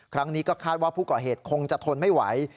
ครั้งนี้ก็คาดว่าผู้ก่อเหตุคงจะทนไม่ไหว